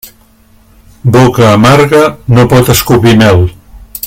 Boca amarga, no pot escopir mel.